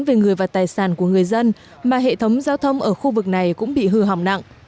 về người và tài sản của người dân mà hệ thống giao thông ở khu vực này cũng bị hư hỏng nặng